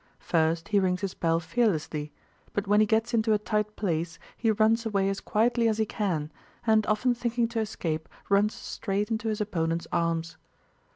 First he rings his bell fearlessly, but when he gets into a tight place he runs away as quietly as he can, and often thinking to escape runs straight into his opponent's arms.